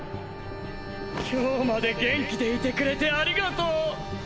今日まで元気でいてくれてありがとう！